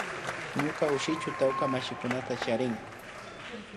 Ñuka ushushi tawka mashikunata charin